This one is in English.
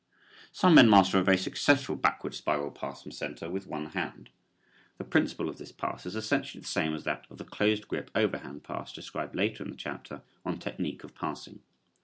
Some men master a very successful backward spiral pass from center with one hand. The principle of this pass is essentially the same as that of the closed grip overhand pass described later in the chapter on technique of passing.